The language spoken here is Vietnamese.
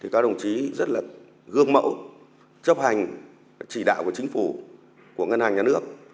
các đồng chí rất gương mậu chấp hành chỉ đạo của chính phủ của ngân hàng nhà nước